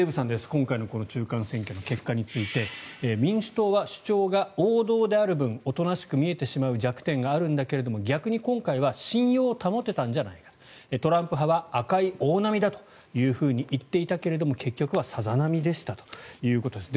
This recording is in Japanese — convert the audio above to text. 今回の中間選挙の結果について民主党は主張が王道である分大人しく見えてしまう弱点があるんだけれども逆に今回は信用を保てたんじゃないかとトランプは赤い大波だと言っていたけれども結局はさざ波でしたということです。